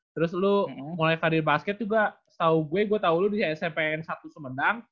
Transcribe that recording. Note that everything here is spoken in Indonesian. terus lu mulai karir basket juga setau gue gue tahu lu di smpn satu semendang